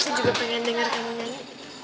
saya juga pengen denger kamu nyanyi